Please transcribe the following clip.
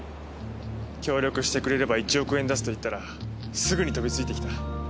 協力してくれれば１億円出すと言ったらすぐに飛びついてきた。